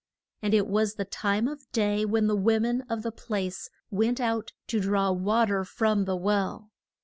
And it was the time of day when the wo men of the place went out to draw wa ter from the well.